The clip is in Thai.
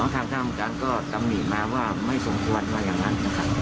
ตามทามการก็ตำนีมาว่าไม่สมควรอย่างนั้น